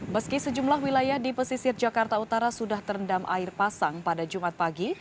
meski sejumlah wilayah di pesisir jakarta utara sudah terendam air pasang pada jumat pagi